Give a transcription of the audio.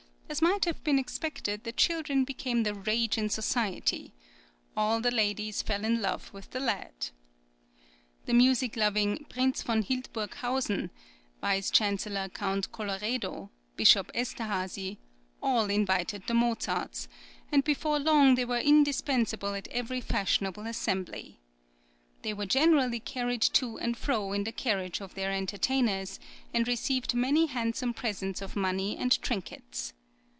As might have been expected, the children became the rage in society; "all the ladies fell in love with the lad." The music loving Prince von Hildburghausen, Vice Chancellor Count Colloredo, Bishop Esterhazy, all invited the Mozarts; and before long they were indispensable at every fashionable assembly. They were generally carried to and fro in the carriage of their entertainers, and received many handsome presents of money and trinkets.